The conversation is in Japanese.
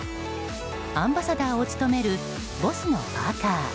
アンバサダーを務めるＢＯＳＳのパーカ。